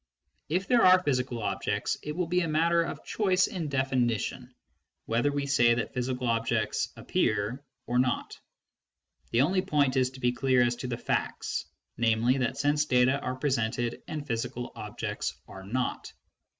If there are physical objects, it will be a matter of choice in defi nition whether we say that physical objects " appear " or not ; the only important point is to be clear as to the facts, namely that sense data are presented and physical objects are not.